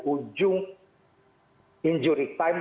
ujung injury time